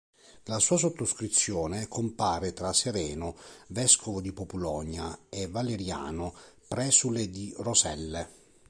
La sua sottoscrizione compare tra Sereno, vescovo di Populonia, e Valeriano, presule di Roselle.